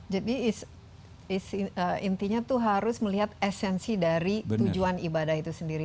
intinya tuh harus melihat esensi dari tujuan ibadah itu sendiri